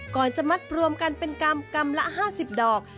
ก่อนจะมัดปรวมกันเป็นกำละ๕๐ดอก